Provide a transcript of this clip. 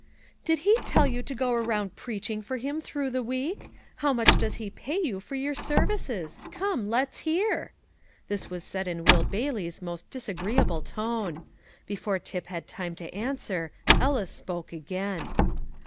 "Did he tell you to go around preaching for him through the week? How much does he pay you for your services? Come, let's hear." This was said in Will Bailey's most disagreeable tone. Before Tip had time to answer, Ellis spoke again.